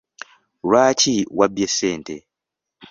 Lwaki wabbye sente?